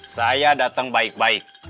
saya datang baik baik